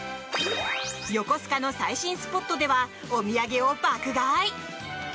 横須賀の最新スポットではお土産を爆買い！